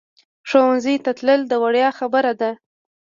ښوونځی ته تلل د ویاړ خبره ده